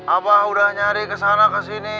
abah udah nyari kesana kesini